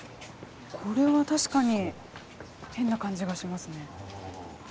これは確かに変な感じがしますね。